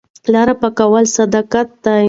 لاره پاکول صدقه ده.